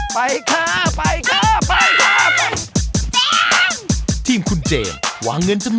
ไปครับไปครับไปครับ